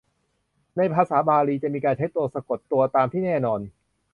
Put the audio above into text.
ในภาษาบาลีจะมีการใช้ตัวสะกดตัวตามที่แน่นอน